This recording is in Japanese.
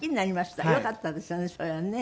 よかったですよね